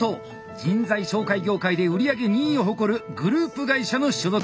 人材紹介業界で売り上げ２位を誇るグループ会社の所属。